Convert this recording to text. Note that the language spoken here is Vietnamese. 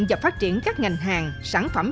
và phát triển các ngành hàng sản phẩm